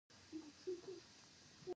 د باغدارۍ عصري طریقې رواج شوي.